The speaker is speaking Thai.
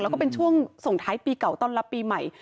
แล้วก็เป็นช่วงส่งท้ายปีเก่าต้อนรับปีใหม่